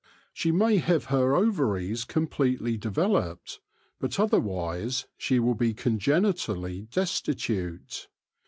She may have her ovaries completely developed, but otherwise she will be congenitally destitute.